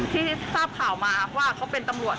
ที่ทราบข่าวมาว่าเขาเป็นตำรวจ